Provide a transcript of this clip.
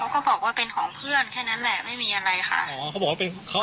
ก็บอกว่าเป็นของเพื่อนแค่นั้นแหละไม่มีอะไรค่ะ